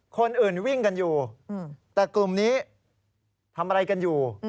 คนอื่นวิ่งกันอยู่แต่กลุ่มนี้ทำอะไรกันอยู่